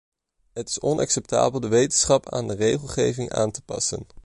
Het is onacceptabel de wetenschap aan de regelgeving aan te passen.